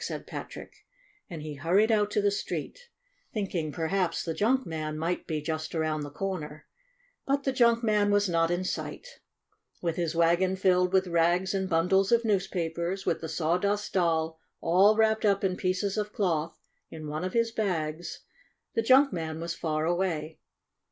said Patrick, and he hurried out to the street, thinking perhaps the junk man might be just around the corner. But the junk man was not in sight. IN THE JUNK SHOP 95 With his wagon filled with rags and bun dles of newspapers, with the Sawdust Doll all wrapped up in pieces of cloth in one of his bags, the junk man was far away.